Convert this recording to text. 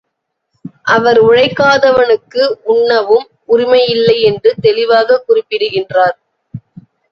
அவர் உழைக்காதவனுக்கு உண்ணவும் உரிமையில்லை என்று தெளிவாகக் குறிப்பிடுகின்றார்.